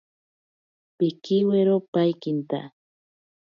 Pikiwiro paikinta.